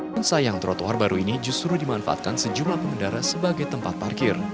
mensayang trotoar baru ini justru dimanfaatkan sejumlah pengendara sebagai tempat parkir